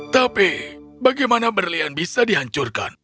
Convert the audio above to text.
tapi bagaimana berlian bisa dihancurkan